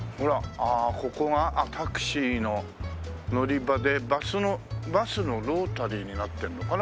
ああここがタクシーの乗り場でバスのロータリーになってるのかな？